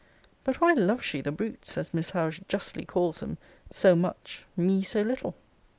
But why loves she the brutes, as Miss Howe justly calls them, so much; me so little?